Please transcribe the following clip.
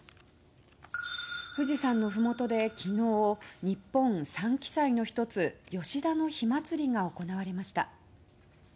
富士山のふもとで昨日日本三奇祭の１つ吉田の火祭りが行われました。